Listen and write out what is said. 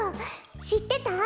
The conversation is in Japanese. しってた？